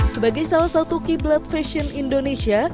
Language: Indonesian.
sebagai salah satu kiblat fashion indonesia